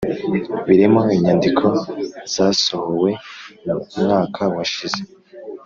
birimo inyandiko zasohowe mu mwaka washize